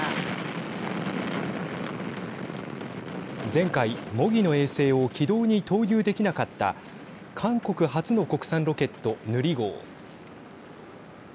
前回、模擬の衛星を軌道に投入できなかった韓国初の国産ロケットヌリ号。